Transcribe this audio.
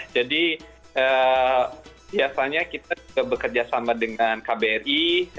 jadi biasanya kita juga bekerja sama dengan kbri